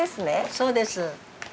そうです。